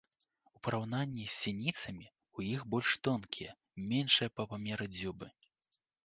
У параўнанні з сініцамі ў іх больш тонкія, меншыя па памеры дзюбы.